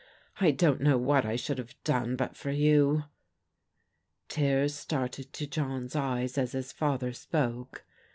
I don't know what I should have done but for you." Tears started to John's eyes as his father spoke.